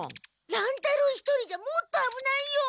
乱太郎一人じゃもっとあぶないよ！